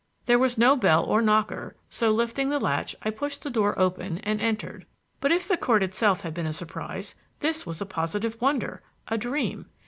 There was no bell or knocker, so, lifting the latch, I pushed the door open and entered. But if the court itself had been a surprise, this was a positive wonder, a dream.